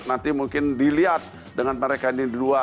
nanti mungkin dilihat dengan mereka ini dua